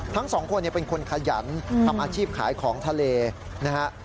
ทั้งสองคนเป็นคนขยันทำอาชีพขายของทะเลนะฮะ